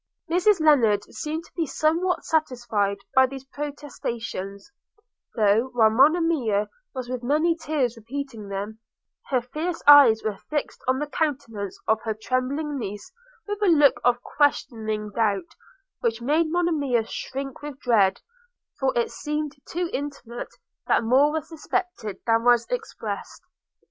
Mrs Lennard seemed to be somewhat satisfied by these protestations – though, while Monimia was with many tears repeating them, her fierce eyes were fixed on the countenance of her trembling niece with a look of questioning doubt, which made Monimia shrink with dread – for it seemed to intimate that more was suspected than was expressed.